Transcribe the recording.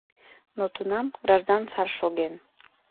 Но тунам, граждан сар шоген.